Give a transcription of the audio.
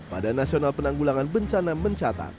pada nasional penanggulangan bencana mencatat